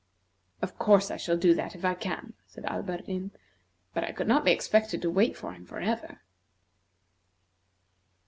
"Of course I shall do that, if I can," said Alberdin; "but I could not be expected to wait for him forever."